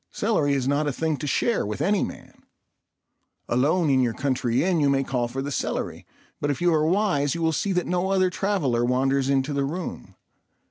Celery is not a thing to share with any man. Alone in your country inn you may call for the celery; but if you are wise you will see that no other traveller wanders into the room.